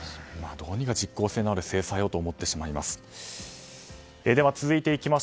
何か実効性のある制裁をと思ってしまいます。